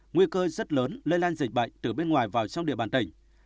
nguy cơ rất lớn lây lan dịch bệnh từ bên ngoài vào trong địa bàn tỉnh